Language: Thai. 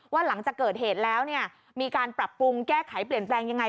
หลังจากเกิดเหตุแล้วเนี่ยมีการปรับปรุงแก้ไขเปลี่ยนแปลงยังไง